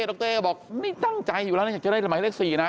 ดรก็บอกไม่ตั้งใจอยู่แล้วนะอยากจะได้หมายเลข๔นะ